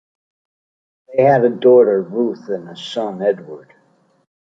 They had a daughter, Ruth, and a son, Edward.